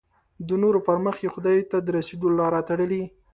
د نورو پر مخ یې خدای ته د رسېدو لاره تړلې.